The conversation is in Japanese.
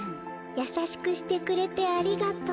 やさしくしてくれてありがとう。